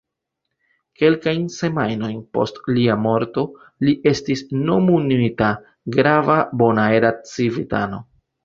Kelkajn semajnojn post lia morto, li estis nomumita grava bonaera civitano.